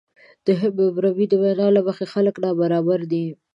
د حموربي د وینا له مخې خلک نابرابر دي.